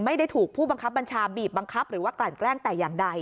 ไม่ได้ถูกผู้บังคับบัญชาบีบบังคับหรือว่ากลั่นแกล้งแต่อย่างใด